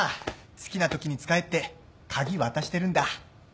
好きなときに使えって鍵渡してるんだ。